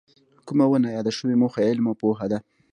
کومه ونه یاده شوې موخه یې علم او پوهه ده.